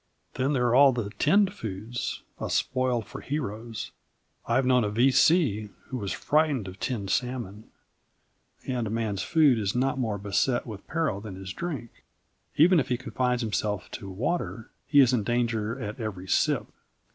Then there are all the tinned foods, a spoil for heroes. I have known a V.C. who was frightened of tinned salmon. And a man's food is not more beset with perils than his drink. Even if he confines himself to water, he is in danger at every sip.